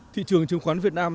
thị trường chứng khoán việt nam